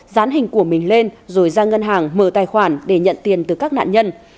dán hình của mình lên rồi ra ngân hàng mở tài khoản để nhận tiền từ các nạn nhân